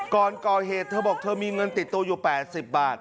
ก่อนก่อเหตุเธอบอกเธอมีเงินติดตัวอยู่๘๐บาท